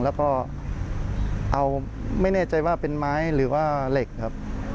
แล้วก็เอาไม่แน่ใจว่าเป็นไม้หรือว่าเหล็กครับ